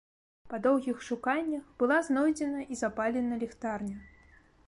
Па доўгіх шуканнях была знойдзена і запалена ліхтарня.